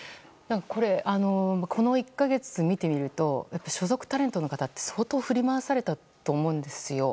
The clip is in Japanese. この１か月見てみると所属タレントの方って相当、振り回されたと思うんですよ。